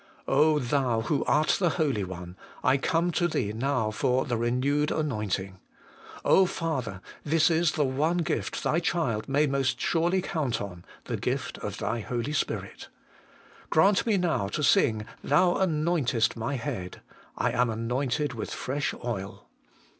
Thou, who art the Holy One, I come to Thee now for the renewed anointing. Father ! this is the one gift Thy child may most surely count on THE UNCTION FKOM THE HOLY ONE. 269 the gift of Thy Holy Spirit. Grant me now to sing, ' Thou anointest my head ;'' I am anointed with fresh oil.'